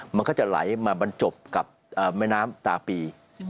มันก็จะไหลมาบรรจบกับแม่น้ำตาปี